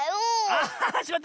あしまった！